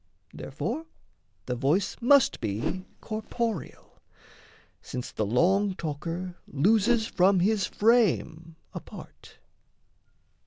Therefore the voice must be corporeal, Since the long talker loses from his frame A part.